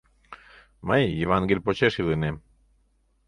Мый Евангель почеш илынем.